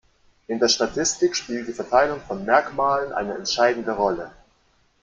In der Statistik spielt die Verteilung von Merkmalen eine entscheidende Rolle.